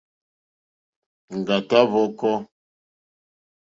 Ŋɡàtá hwɔ̄kɔ̄.